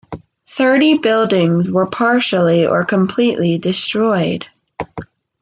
Thirty buildings were partially or completely destroyed.